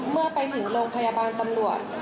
เมื่อไปถึงโรงพยาบาลตำรวจ